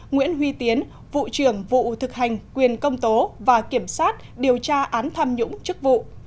nguyễn huy tiến vụ trưởng vụ thực hành quyền công tố và kiểm sát điều tra án tham nhũng chức vụ